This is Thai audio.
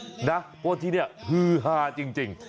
เพราะว่าที่นี่ฮือฮาจริง